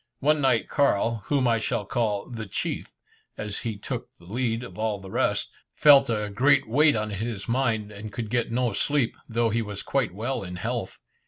One night Carl whom I shall call "the chief," as he took the lead of all the rest felt a great weight on his mind, and could get no sleep, though he was quite well in health.